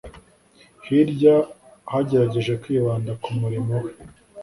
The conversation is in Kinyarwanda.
Hirwa yagerageje kwibanda ku murimo we.